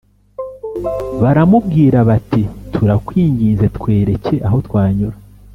baramubwira bati “turakwinginze, twereke aho twanyura